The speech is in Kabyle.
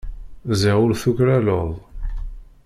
Ziɣ ur tuklaleḍ.